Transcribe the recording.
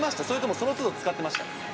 それともそのつど、使ってました？